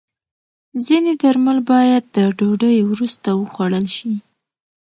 ځینې درمل باید د ډوډۍ وروسته وخوړل شي.